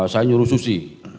saya nyuruh susi